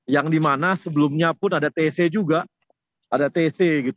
yang dimana sebelumnya pun ada tc juga ada tc gitu